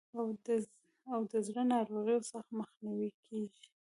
او د زړه د ناروغیو څخه مخنیوی کیږي.